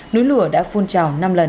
núi lửa đã phun trào năm lần